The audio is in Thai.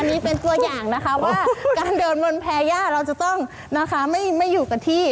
อันนี้เป็นตัวอย่างนะคะว่าการเดินบนแพรย่าเราจะต้องนะคะไม่อยู่กับที่